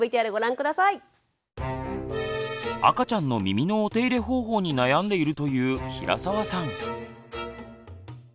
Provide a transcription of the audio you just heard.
赤ちゃんの耳のお手入れ方法に悩んでいるという平澤さん。